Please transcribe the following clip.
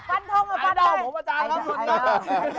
ไอดอลผมอาจารย์ครับ